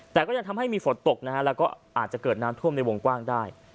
แต่ก็ยังทำให้มีฝนตกนะฮะแล้วก็อาจจะเกิดน้ำท่วมในวงกว้างได้